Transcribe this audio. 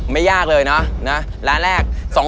ยากเลยเนาะร้านแรก